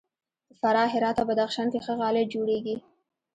په فراه، هرات او بدخشان کې ښه غالۍ جوړیږي.